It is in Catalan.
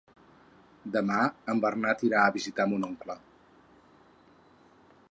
Demà en Bernat irà a visitar mon oncle.